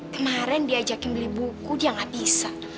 kemarin diajakin beli buku dia gak bisa